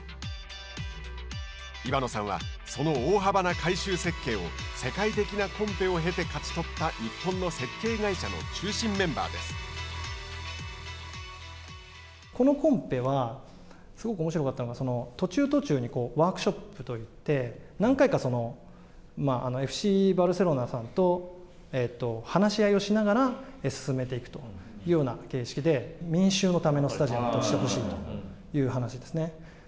伊庭野さんはその大幅な改修設計を世界的なコンペを経て勝ち取った日本の設計会社のこのコンペは、すごくおもしろかったのが途中途中に、ワークショップといって、何回かＦＣバルセロナさんと話し合いをしながら進めていくというような形式で民衆のためのスタジアムとしてほしいという話ですね。